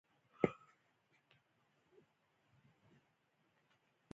کانت وویل دوی تر یو وخته د بري او بریا لایق وي.